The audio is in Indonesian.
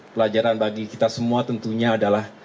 pelajaran bagi kita semua tentunya adalah